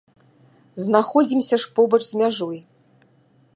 Знаходзімся ж побач з мяжой.